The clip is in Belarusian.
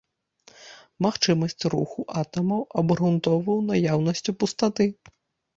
Магчымасць руху атамаў абгрунтоўваў наяўнасцю пустаты.